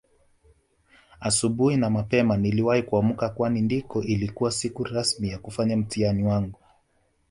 Asubuhi na mapema niliwahi kuamka Kwani ndio ilikuwa siku rasmi ya kufanya mtihani wangu